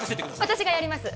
私がやります